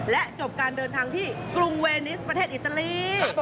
และจบการเดินทางที่กรุงเวนิสประเทศอิตาลี